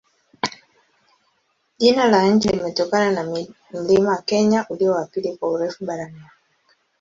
Jina la nchi limetokana na mlima Kenya, ulio wa pili kwa urefu barani Afrika.